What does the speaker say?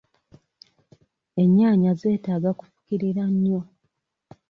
Ennyaanya zeetaaga kufukirira nnyo.